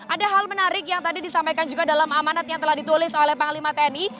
ada hal menarik yang tadi disampaikan juga dalam amanat yang telah ditulis oleh panglima tni